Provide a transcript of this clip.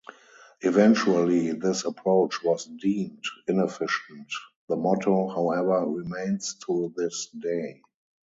Eventually this approach was deemed inefficient; the motto, however, remains to this day.